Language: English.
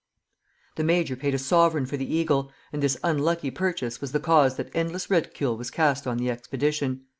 '" The major paid a sovereign for the eagle, and this unlucky purchase was the cause that endless ridicule was cast on the expedition.